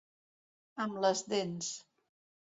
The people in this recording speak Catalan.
Amb les dents.